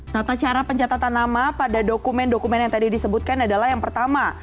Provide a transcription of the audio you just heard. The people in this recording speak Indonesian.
tata cara pencatatan nama pada dokumen dokumen yang tadi disebutkan adalah yang pertama